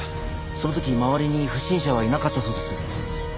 その時周りに不審者はいなかったそうです。